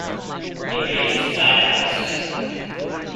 He raised his eyebrows.